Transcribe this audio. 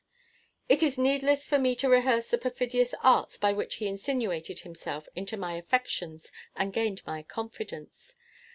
"It is needless for me to rehearse the perfidious arts by which he insinuated himself into my affections and gained my confidence.